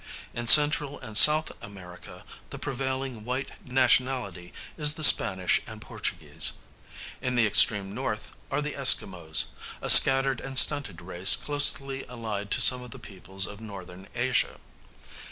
In Central and South America the prevailing white nationality is the Spanish and Portuguese. In the extreme north are the Eskimos a scattered and stunted race closely allied to some of the peoples of Northern Asia.